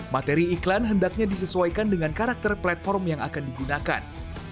materi iklan hendaknya disesuaikan dengan karakter platform yang akan digunakan